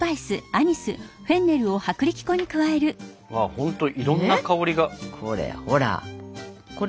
ほんといろんな香りが。ね！